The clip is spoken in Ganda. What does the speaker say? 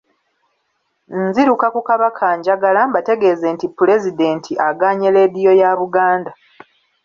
Nziruka ku Kabakanjagala mbategeeze nti pulezidenti agaanye leediyo ya Buganda.